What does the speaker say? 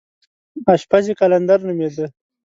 اشپز یې قلندر نومېده.